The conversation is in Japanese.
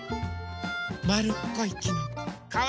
まるっこいきのこ。